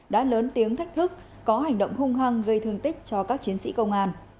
đã lớn tiếng thách thức có hành động hung hăng gây thương tích cho các chiến sĩ công an